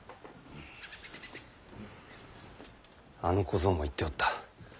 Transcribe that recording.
あの小僧も言っておった。